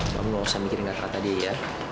kamu nggak usah mikirin kata kata dia ya